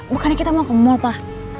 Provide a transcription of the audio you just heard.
bukannya kita mau ke mal pak